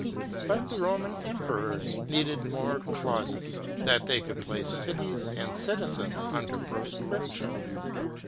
But the Roman emperors' needed more clauses, that they could place cities and citizens under proscription.